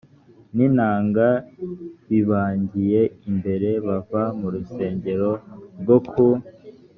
n inanga bibagiye imbere bava mu rusengero rwo ku